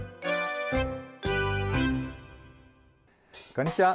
こんにちは。